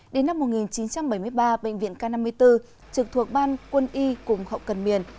đến năm một nghìn chín trăm bảy mươi ba bệnh viện k năm mươi bốn trực thuộc ban quân y cùng hậu cần miền